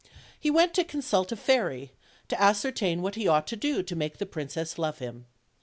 He went to consult a fairy, to ascertain what he ought to do to make the princess love him.